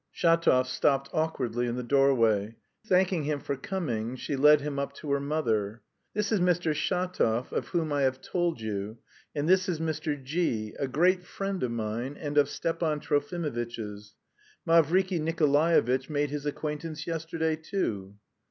Shatov stopped awkwardly in the doorway. Thanking him for coming she led him up to her mother. "This is Mr. Shatov, of whom I have told you, and this is Mr. G v, a great friend of mine and of Stepan Trofimovitch's. Mavriky Nikolaevitch made his acquaintance yesterday, too."